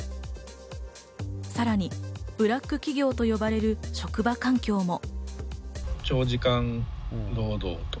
さらにブラック企業と呼ばれる職場環境も。